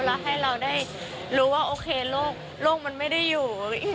แล้วให้เราได้รู้ว่าโอเคโลกมันไม่ได้อยู่